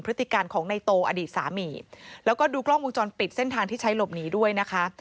ติการของในโตอดีตสามีแล้วก็ดูกล้องวงจรปิดเส้นทางที่ใช้หลบหนีด้วยนะคะ